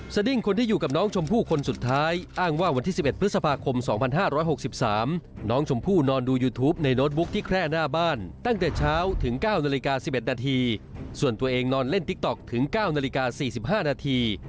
ส่วนตัวเองนอนเล่นติ๊กต๊อกถึง๙นาฬิกา๔๕นาที